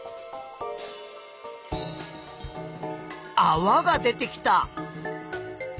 あわが出てきた。